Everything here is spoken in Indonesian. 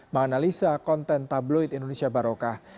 menganalisa konten tabloid indonesia barokah